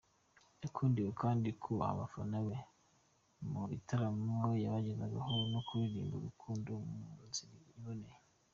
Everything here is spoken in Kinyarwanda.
Yakundiwe kandi kubaha abafana be mu bitaramo yabagezagaho, no kuririmba urukundo mu nzira iboneye.